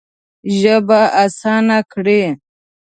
ژبه اسانه کړې.